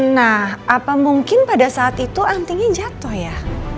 nah apa mungkin pada saat itu antinya jatuh ya